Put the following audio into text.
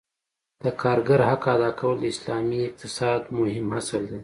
د کارګر حق ادا کول د اسلامي اقتصاد مهم اصل دی.